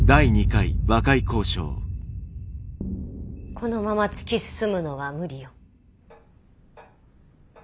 このまま突き進むのは無理よ。